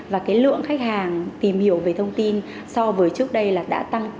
và cái lượng khách hàng tìm hiểu về thông tin so với trước đây là đã tăng